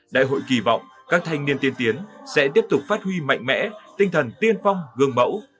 đại hội kỳ vọng các thanh niên tiên tiến sẽ tiếp tục phát huy mạnh mẽ tinh thần tiên phong gương mẫu